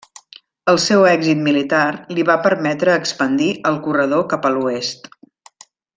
El seu èxit militar li va permetre expandir el corredor cap a l'oest.